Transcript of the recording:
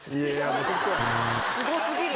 すご過ぎる。